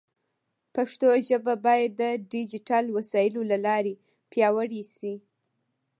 پښتو ژبه باید د ډیجیټل وسایلو له لارې پیاوړې شي.